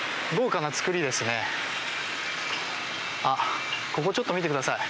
あっここちょっと見てください。